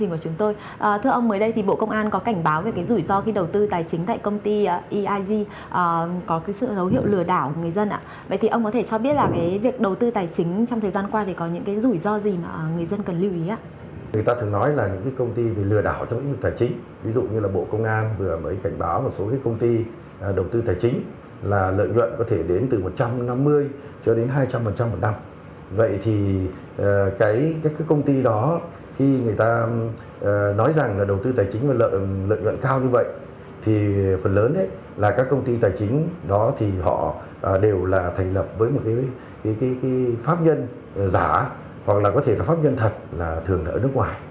vậy thì các công ty đó khi người ta nói rằng là đầu tư tài chính là lợi nhuận cao như vậy thì phần lớn là các công ty tài chính đó thì họ đều là thành lập với một pháp nhân giả hoặc là có thể là pháp nhân thật là thường ở nước ngoài